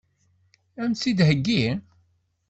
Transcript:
Ad m-tt-id-theggi?